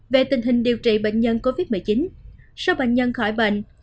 về tình hình điều trị bệnh nhân covid một mươi chín số bệnh nhân khỏi bệnh